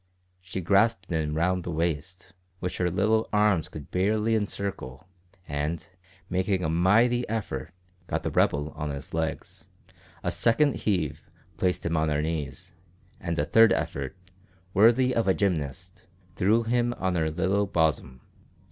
She grasped him round the waist, which her little arms could barely encircle, and, making a mighty effort, got the rebel on his legs. A second heave placed him on her knees, and a third effort, worthy of a gymnast, threw him on her little bosom.